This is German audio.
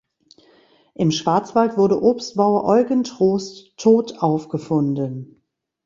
Im Schwarzwald wurde Obstbauer Eugen Trost tot aufgefunden.